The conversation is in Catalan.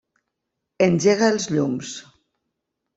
Engega els llums.